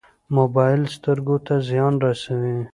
موبایل سترګو ته زیان رسوي